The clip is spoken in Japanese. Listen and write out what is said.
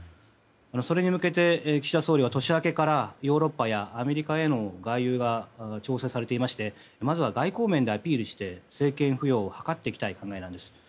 それに向けて岸田総理は年明けからヨーロッパやアメリカへの外遊が調整されていましてまずは外交面でアピールして政権浮揚を図っていきたい構えなんです。